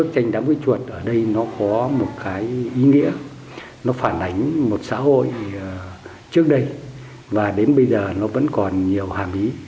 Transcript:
có một cái ý nghĩa nó phản ảnh một xã hội trước đây và đến bây giờ nó vẫn còn nhiều hàm ý